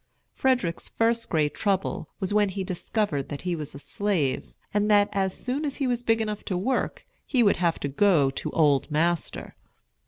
Frederick's first great trouble was when he discovered that he was a slave, and that, as soon as he was big enough to work, he would have to go to "old master."